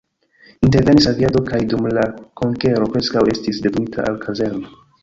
Intervenis aviado kaj dum la konkero preskaŭ estis detruita la kazerno.